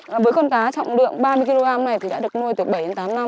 và với con cá trọng lượng ba mươi kg này thì đã được nuôi từ bảy đến tám năm